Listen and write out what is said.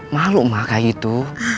malu mah kayak gitu